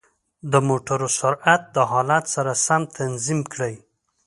د موټرو سرعت د حالت سره سم تنظیم کړئ.